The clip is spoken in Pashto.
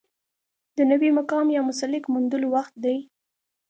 د نوي مقام یا مسلک موندلو وخت دی.